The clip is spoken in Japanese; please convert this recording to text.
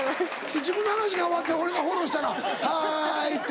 自分の話が終わって俺がフォローしたら「はい」って。